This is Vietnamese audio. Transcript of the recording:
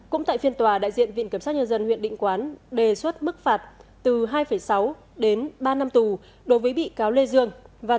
cũng tại phiên tòa đại diện viện kiểm sát nhân dân huyện định quán đề xuất mức phạt từ hai sáu đến ba năm tù đối với bị cáo lê dương